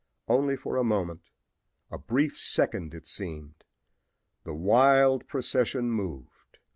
Only for a moment, a brief second it seemed, the wild procession moved.